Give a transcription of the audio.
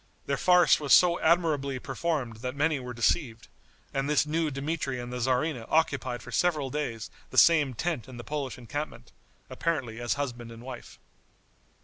The farce was so admirably performed that many were deceived, and this new Dmitri and the tzarina occupied for several days the same tent in the Polish encampment, apparently as husband and wife.